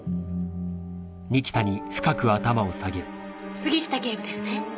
杉下警部ですね。